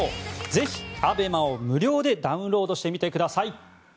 ぜひＡＢＥＭＡを無料でダウンロードしてみてください。